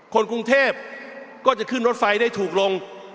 คนกรุงเทพก็จะขึ้นรถไฟได้ถูกลง